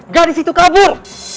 gadis itu kabur